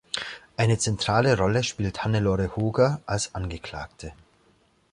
Eine zentrale Rolle spielt Hannelore Hoger als Angeklagte.